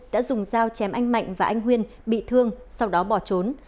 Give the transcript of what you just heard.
đã dùng dao chém anh mạnh và anh huyên bị thương sau đó bỏ trốn